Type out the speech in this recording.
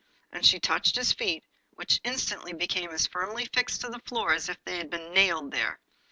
And she touched his feet, which instantly became as firmly fixed to the floor as if they had been nailed there.